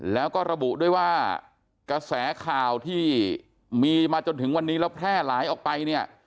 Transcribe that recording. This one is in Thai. แล้วก็ระบุด้วยว่ากระแสข่าวที่มีมาจนถึงวันนี้แล้วแพร่หลายออกไปเนี่ย